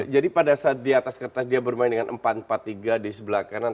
jadi pada saat di atas kertas dia bermain dengan empat empat tiga di sebelah kanan